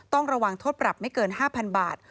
ต้องระวังโทษปรับไม่เกิน๕๐๐๐บาท